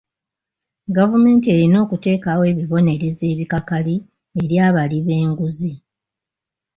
Gavumenti erina okuteekawo ebibonerezo ebikakali eri abali b'enguzi